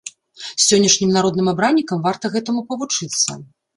Сённяшнім народным абраннікам варта гэтаму павучыцца.